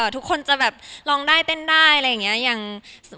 ทุกคนจะแบบร้องได้เต้นได้อะไรอย่างนี้